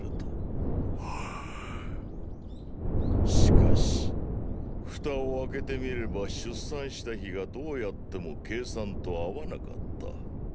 ーーしかし蓋を開けてみれば出産した日がどうやっても計算と合わなかった。